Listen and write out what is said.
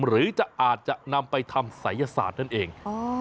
หรือจะอาจจะนำไปทำศัยศาสตร์นั่นเอง